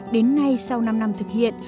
đến ngay sau năm năm thực hiện